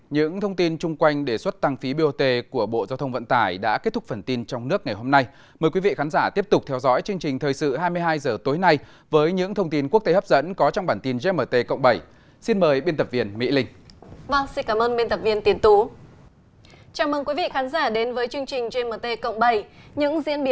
những diễn biến mới nhất trong cuộc chiến tranh thương mại mỹ trung